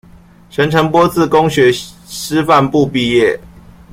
陳澄波自公學師範部畢業